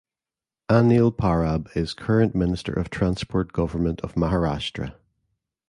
Anil Parab is Current Minister of Transport Government of Maharashtra.